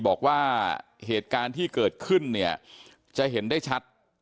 บอกว่าเหตุการณ์ที่เกิดขึ้นเนี่ยจะเห็นได้ชัด